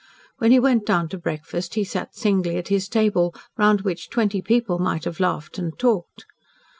When he went down to breakfast he sat singly at his table, round which twenty people might have laughed and talked.